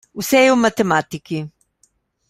Vse je v matematiki.